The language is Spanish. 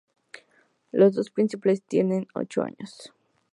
Los dos príncipes tienen ocho años.